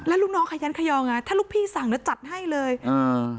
แล้วลูกน้องขยันขยองไงถ้าลูกพี่สั่งแล้วจัดให้เลยอ่า